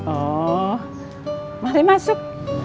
oh mari masuk